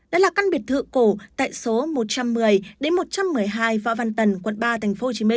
đó là căn biệt thự cổ tại số một trăm một mươi một trăm một mươi hai võ văn tần quận ba tp hcm